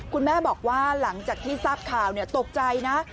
คุณแม่บอกว่าหลังจากที่ทราบข่าวตกใจนะ